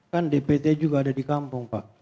kan dpt juga ada di kampung pak